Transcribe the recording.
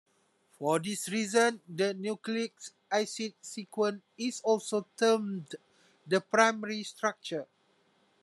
For this reason, the nucleic acid sequence is also termed the primary structure.